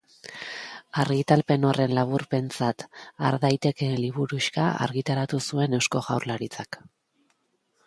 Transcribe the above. Argitalpen horren laburpentzat har daitekeen liburuxka argitaratu zuen Eusko Jaurlaritzak.